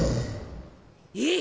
えっ！？